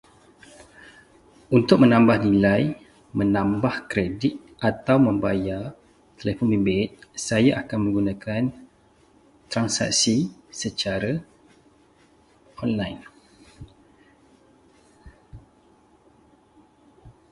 Untuk menambah nilai, menambah kredit atau membayar telefon bimbit, saya akan menggunakan transaksi secara online.